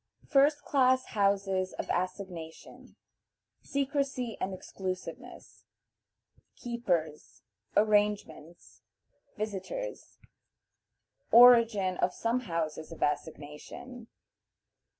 First Class Houses of Assignation. Secrecy and Exclusiveness. Keepers. Arrangements. Visitors. Origin of some Houses of Assignation.